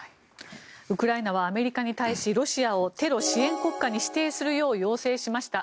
ウクライナはアメリカに対しロシアをテロ支援国家に指定するよう要請しました。